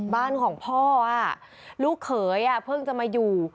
บ้านของพ่อลูกเขยเพิ่งจะมาอยู่